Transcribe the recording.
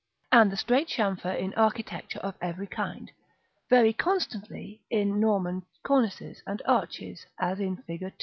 and the straight chamfer in architecture of every kind, very constantly in Norman cornices and arches, as in Fig.